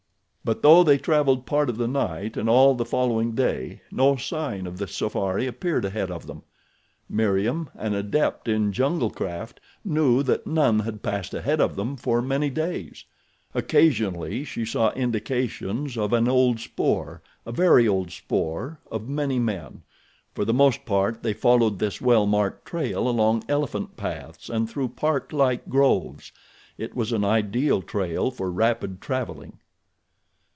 But though they traveled part of the night and all the following day no sign of the safari appeared ahead of them. Meriem, an adept in jungle craft, knew that none had passed ahead of them for many days. Occasionally she saw indications of an old spoor, a very old spoor, of many men. For the most part they followed this well marked trail along elephant paths and through park like groves. It was an ideal trail for rapid traveling.